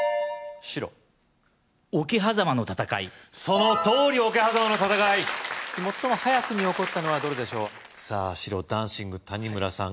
そのとおり桶狭間の戦い最も早くに起こったのはどれでしょうさぁ白・ダンシング☆谷村さん